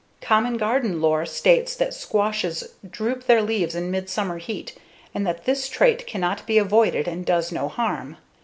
[i] Common garden lore states that squashes droop their leaves in midsummer heat and that this trait cannot be avoided and does no harm.